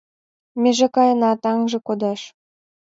Меже каена — таҥже кодеш.